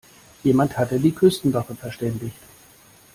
Jemand hatte die Küstenwache verständigt.